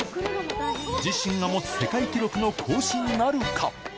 自身が持つ世界記録の更新なるか。